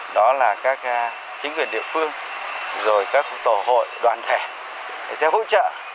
đó là các chính quyền địa phương rồi các tổ hội đoàn thể sẽ hỗ trợ